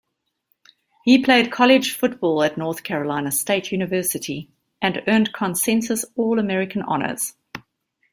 He played college football at North Carolina State University, and earned consensus All-American honors.